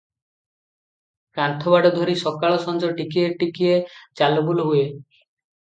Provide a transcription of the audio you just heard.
କାନ୍ଥବାଡ଼ ଧରି ସକାଳ ସଞ୍ଜ ଟିକିଏ ଟିକିଏ ଚାଲବୁଲ ହୁଏ ।